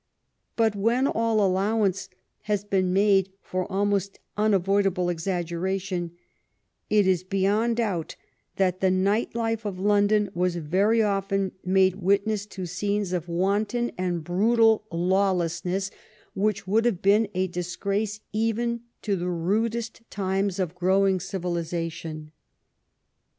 But when all allow ance has been made for almost unavoidable exaggera tion, it is beyond doubt that the night life of London was very often made witness to scenes of wanton and 205 THE REIGN OF QUEEN ANNE brutal lawlessness which would have been a disgrace even to the rudest times of growing civilization.